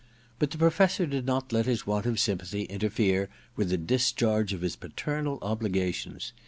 But the Pro fessor did not let his want of sympathy interfere with the discharge of his paternal obligations.